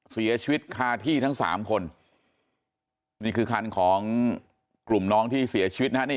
เสียชีวิตคาที่ทั้งสามคนนี่คือคันของกลุ่มน้องที่เสียชีวิตนะฮะ